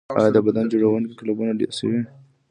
آیا د بدن جوړونې کلبونه ډیر شوي؟